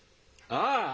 ああ！